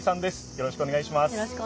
よろしくお願いします。